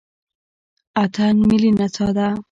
اتن ملي نڅا ده